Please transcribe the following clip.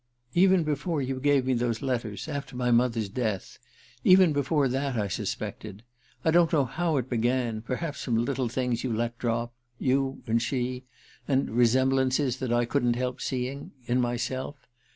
"Even before you gave me those letters after my mother's death even before that, I suspected. I don't know how it began ... perhaps from little things you let drop ... you and she ... and resemblances that I couldn't help seeing ... in myself